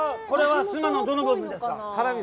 これはスマのどの部分ですか。